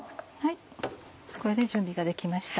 これで準備ができました。